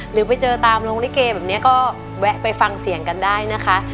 หรือไปเจอตามโรงลิเกแบบนี้ก็แวะไปฟังเสียงกันได้นะคะ